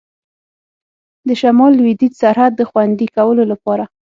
د شمال لوېدیځ سرحد د خوندي کولو لپاره.